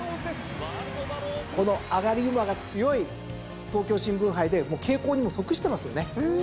この上がり馬が強い東京新聞杯で傾向にも則してますよね？